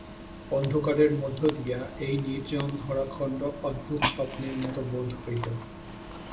অন্ধকারের মধ্য দিয়া এই নির্জন ধরাখণ্ড অদ্ভুত স্বপ্নের মতো বোধ হইল।